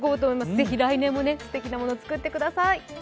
ぜひ来年もすてきなもの作ってください。